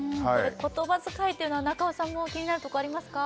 言葉遣いっていうのは中尾さんも気になるところありますか？